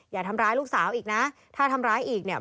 อย่าทำร้ายลูกสาวอีกนะถ้าทำร้ายอีกเนี่ย